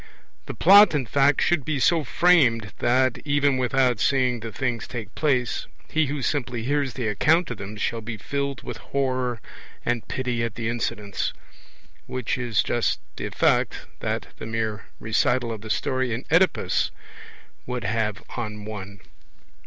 The Plot in fact should be so framed that, even without seeing the things take place, he who simply hears the account of them shall be filled with horror and pity at the incidents; which is just the effect that the mere recital of the story in Oedipus would have on one.